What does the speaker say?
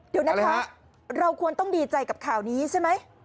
เดี๋ยวนะคะเราควรต้องดีใจกับข่าวนี้ใช่ไหม